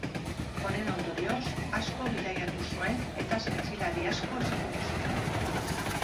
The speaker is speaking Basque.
Honen ondorioz, asko bidaiatu zuen eta zientzialari asko ezagutu zituen.